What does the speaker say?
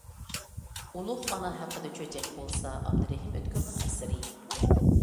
«ئۇلۇغ ئانا ھەققىدە چۆچەك» بولسا ئابدۇرېھىم ئۆتكۈرنىڭ ئەسىرى.